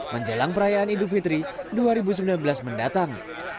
menjelang perayaan idul fitri dua ribu sembilan belas mendatang